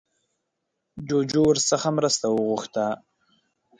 جوجو ورڅخه مرسته وغوښته